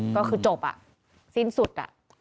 ก็คือจบอ่ะสิ้นสุด